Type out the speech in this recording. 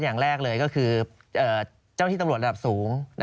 อย่างแรกเลยก็คือเจ้าที่ตำรวจระดับสูง